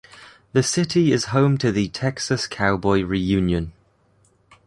The city is home to the Texas Cowboy Reunion.